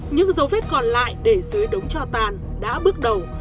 những dấu vết còn lại để dưới đống cho tàn đã bước đầu